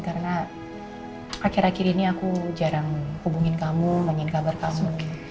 karena akhir akhir ini aku jarang hubungin kamu nanya kabar kamu